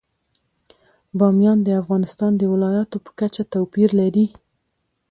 بامیان د افغانستان د ولایاتو په کچه توپیر لري.